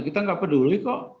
kita gak peduli kok